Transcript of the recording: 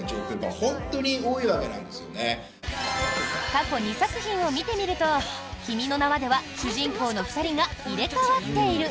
過去２作品を見てみると「君の名は。」では主人公の２人が入れ替わっている。